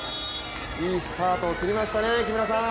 いいスタートを切りましたね木村さん。